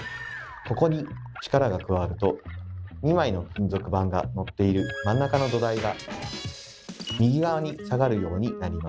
ここに力が加わると２枚の金属板がのっている真ん中の土台が右側に下がるようになります。